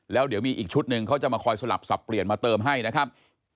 แล้วเดี๋ยวมีอีกชุดหนึ่งเขาจะมาคอยสลับสับเปลี่ยนมาเติมให้นะครับ